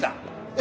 え？